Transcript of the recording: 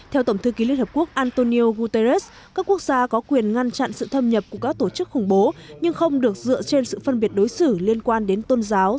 theo tổng thư ký liên hợp quốc antonio guterres các quốc gia có quyền ngăn chặn sự thâm nhập của các tổ chức khủng bố nhưng không được dựa trên sự phân biệt đối xử liên quan đến tôn giáo